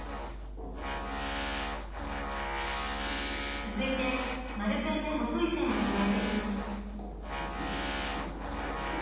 続いて丸ペンで細い線を加えていきます。